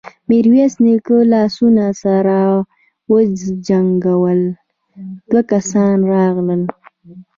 ميرويس نيکه لاسونه سره وجنګول، دوه کسان راغلل.